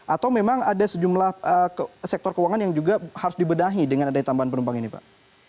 atau memang ada sejumlah sektor keuangan yang juga harus dibedahi dengan adanya tambahan penumpang ini pak